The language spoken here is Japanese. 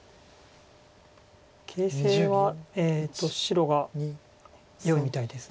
形勢は白がよいみたいです。